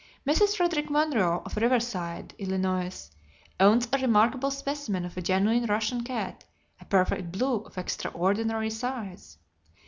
Mrs. Frederick Monroe, of Riverside, Ill., owns a remarkable specimen of a genuine Russian cat, a perfect blue of extraordinary size.